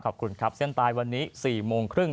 ขอบคุณครับเส้นตายวันนี้๔โมงครึ่ง